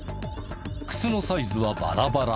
靴のサイズはバラバラ。